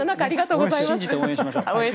信じて応援しましょう。